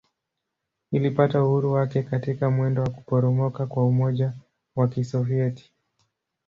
Ilipata uhuru wake katika mwendo wa kuporomoka kwa Umoja wa Kisovyeti.